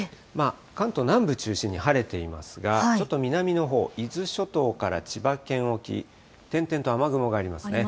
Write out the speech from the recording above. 関東南部中心に晴れていますが、ちょっと南のほう、伊豆諸島から千葉県沖、点々と雨雲がありますね。